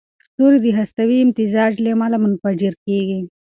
ستوري د هستوي امتزاج له امله منفجر کېږي.